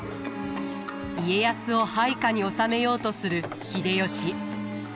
家康を配下に収めようとする秀吉。